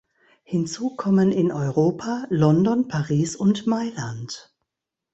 Hinzu kommen in Europa London, Paris und Mailand.